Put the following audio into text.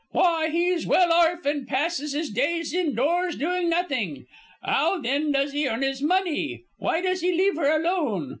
"Why, he's well orf and passes his days indoors doing nothing. 'Ow then does he earn his money? Why does he leave her alone?